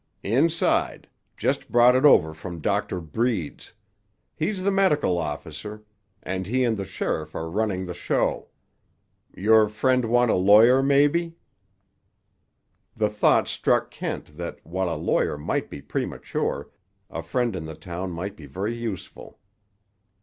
"Inside. Just brought it over from Doctor Breed's. He's the medical officer, and he and the sheriff are running the show. Your friend want a lawyer, maybe?" The thought struck Kent that, while a lawyer might be premature, a friend in the town might be very useful.